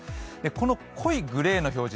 この濃いグレーの表示